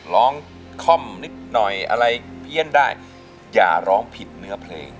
ค่อมนิดหน่อยอะไรเพี้ยนได้อย่าร้องผิดเนื้อเพลง